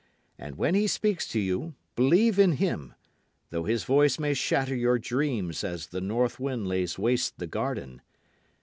And when he speaks to you believe in him, Though his voice may shatter your dreams as the north wind lays waste the garden.